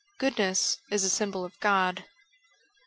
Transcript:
Goodness is a symbol of God.